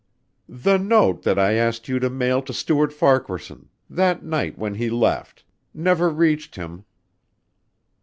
"The note that I asked you to mail to Stuart Farquaharson that night when he left never reached him."